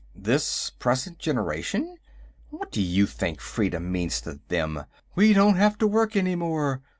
"This present generation? What do you think freedom means to them? _We don't have to work, any more.